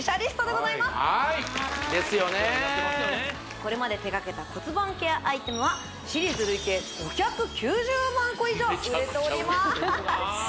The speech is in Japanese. これまで手掛けた骨盤ケアアイテムはシリーズ累計５９０万個以上売れております